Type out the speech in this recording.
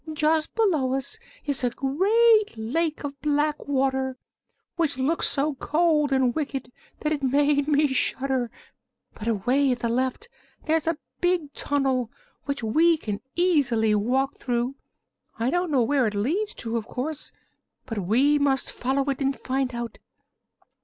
"Just below us is a great lake of black water, which looked so cold and wicked that it made me shudder; but away at the left there's a big tunnel, which we can easily walk through. I don't know where it leads to, of course, but we must follow it and find out."